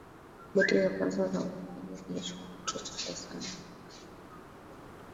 boti za kwanza za uokoaji zilichukua watu wachache sana